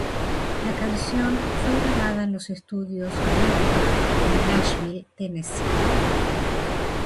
La canción fue grabada en los estudios Blackbird en Nashville, Tennessee.